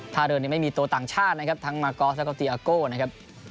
ถ้าเดินไม่มีตัวต่างชาตินะครับทั้งมากอสแล้วก็ตีอาโก้นะครับ